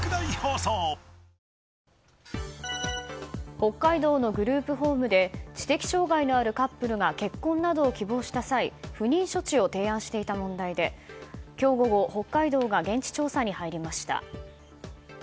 北海道のグループホームで知的障害のあるカップルが結婚などを希望した際不妊処置を提案していた問題で今日午後、北海道が現地調査に入りました。